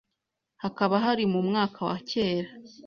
hakaba hari mu mwaka wa kera